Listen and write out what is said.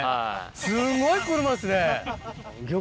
すごい車ですね！